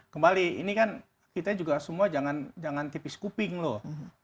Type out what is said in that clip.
kembali ini kan kita juga semua jangan tipis kuping loh